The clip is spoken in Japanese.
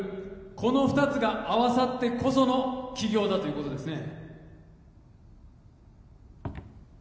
この２つが合わさってこその起業だということですね